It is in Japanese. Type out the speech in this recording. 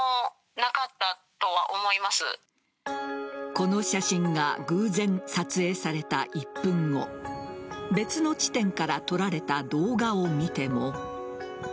この写真が偶然撮影された１分後別の地点から撮られた動画を見ても。